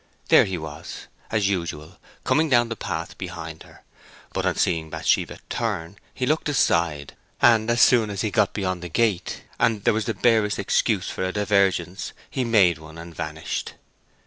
There he was, as usual, coming down the path behind her. But on seeing Bathsheba turn, he looked aside, and as soon as he got beyond the gate, and there was the barest excuse for a divergence, he made one, and vanished.